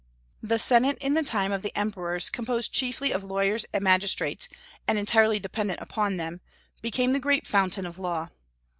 The senate in the time of the emperors, composed chiefly of lawyers and magistrates, and entirely dependent upon them, became the great fountain of law.